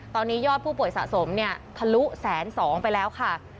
ตอนนี้ยอดผู้ป่วยสะสมถลุแสน๒ไปแล้วค่ะ